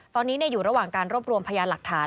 ตอนนี้อยู่ระหว่างการรวบรวมพยานหลักฐาน